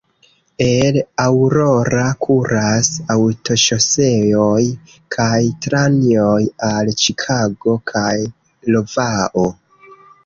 El Aurora kuras aŭtoŝoseoj kaj trajnoj al Ĉikago kaj Iovao.